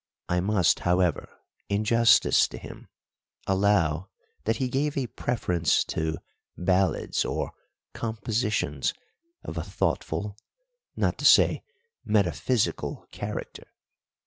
I must, however, in justice to him, allow that he gave a preference to ballads or compositions of a thoughtful, not to say metaphysical, character.